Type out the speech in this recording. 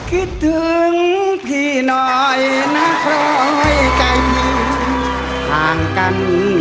ร้องไปแล้ว